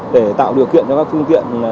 để tạo điều kiện cho các phương tiện